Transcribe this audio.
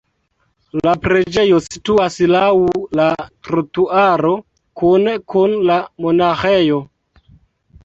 La preĝejo situas laŭ la trotuaro kune kun la monaĥejo.